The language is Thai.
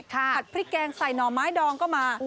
ผัดพริกแกงใส่หน่อไม้ดองก็มา